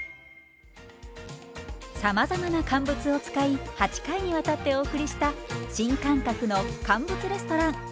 さまざまな乾物を使い８回にわたってお送りした新感覚の乾物レストラン。